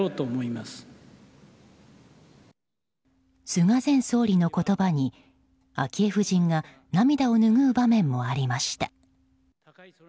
菅前総理の言葉に昭恵夫人が涙をぬぐう場面もありました。